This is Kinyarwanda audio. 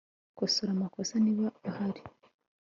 Kosora amakosa niba ahari